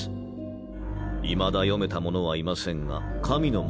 いまだ読めた者はいませんが神の文字だそうです。